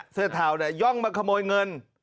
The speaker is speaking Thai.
เสื้อเท่าเนี่ยย่องมาขโมยเงิน